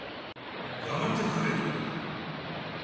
やめてくれと。